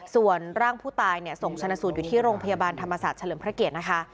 ส่วนร่างผู้ตายเนี่ยส่งชนะสูตรอยู่ที่โรงพยาบาลธรรมศาสตร์เฉลิมพระเกียรตินะคะ